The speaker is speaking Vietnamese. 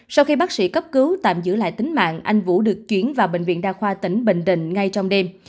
sau khi bác sĩ cấp cứu tạm giữ lại tính mạng anh vũ được chuyển vào bệnh viện đa khoa tỉnh bình định ngay trong đêm